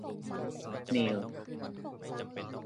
นีล